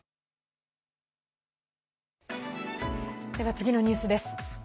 次のニュースです。